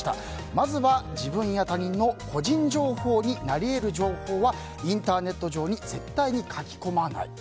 まずは自分や他人の個人情報になり得る情報はインターネット上に絶対に書き込まない。